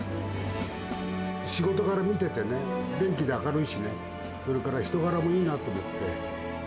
仕事柄見ててね、元気で明るいしね、それから人柄もいいなと思って。